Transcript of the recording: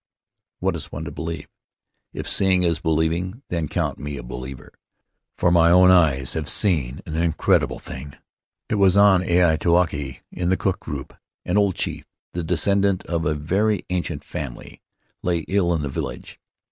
"What is one to believe? If seeing is believing, then count me a believer, for my own eyes have seen an incredible thing. It was on Aitutaki, in the Cook group. An old chief, the descendant of a very ancient family, lay ill in the village.